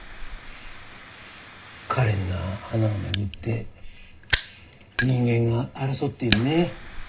かれんな花を巡って人間が争っているね。